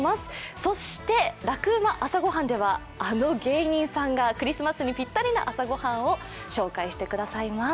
そして、「ラクうま！朝ごはん」ではあの芸人さんがクリスマスにぴったりな朝御飯を紹介してくださいます。